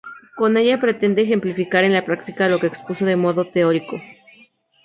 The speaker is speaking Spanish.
Con ella pretende ejemplificar en la práctica lo que expuso de modo teórico.